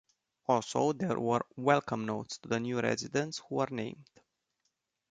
Also there were welcome notes to new residents who were named.